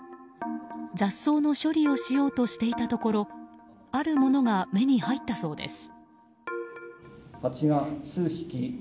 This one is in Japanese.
雑草の処理をしようとしていたところあるものが目に入ったそうです。